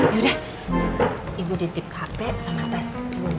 yaudah ibu ditimpa hp sama pes